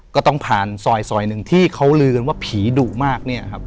ก็ต้องผ่านซอยหนึ่งที่เขาลือกันว่าผีดุมากเนี่ยครับ